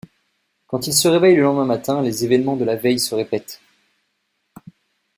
Quand ils se réveillent le lendemain matin, les événements de la veille se répètent.